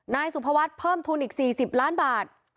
นายสุภวัฒน์เพิ่มทุนอีก๔๐ล้านบาท